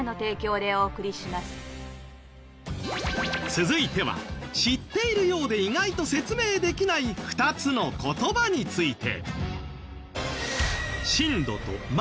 続いては知っているようで意外と説明できない２つの言葉について。